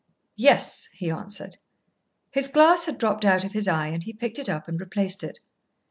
"Yes," he answered. His glass had dropped out of his eye, and he picked it up and replaced it.